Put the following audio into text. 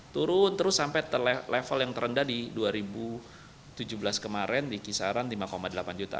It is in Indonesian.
turun terus sampai level yang terendah di dua ribu tujuh belas kemarin di kisaran lima delapan juta